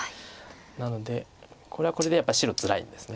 なのでこれはこれでやっぱり白つらいんです。